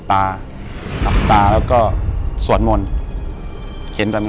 อยู่ที่แม่ศรีวิรัยิลครับ